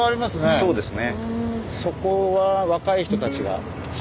そうですね。